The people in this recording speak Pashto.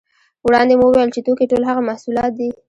وړاندې مو وویل چې توکي ټول هغه محصولات دي